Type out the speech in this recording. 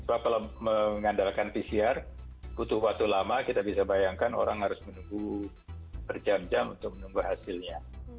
sebab kalau mengandalkan pcr butuh waktu lama kita bisa bayangkan orang harus menunggu berjam jam untuk menunggu hasilnya